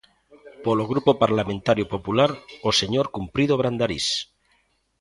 Polo Grupo Parlamentario Popular, o señor Cumprido Brandarís.